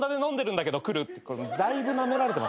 だいぶなめられてます。